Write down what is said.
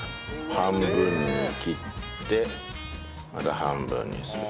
半分に切ってまた半分にする。